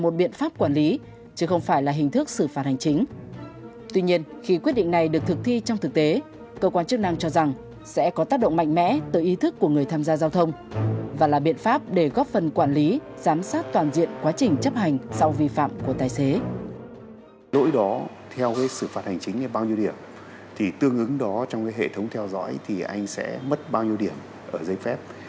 tuy nhiên khi quyết định này được thực thi trong thực tế cơ quan chức năng cho rằng sẽ có tác động mạnh mẽ tới ý thức của người tham gia giao thông và là biện pháp để góp phần quản lý giám sát toàn diện quá trình chấp hành sau vi phạm của tài xế